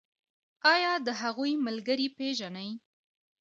ایا د هغوی ملګري پیژنئ؟